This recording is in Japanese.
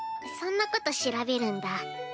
そんなこと調べるんだ。